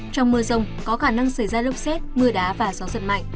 trong mưa rông có khả năng xảy ra lốc xét mưa đá và gió giật mạnh